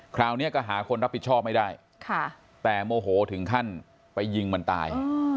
คราวนี้ก็หาคนรับผิดชอบไม่ได้แต่โมโหถึงขั้นไปยิงมันตาย